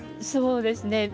そうですね。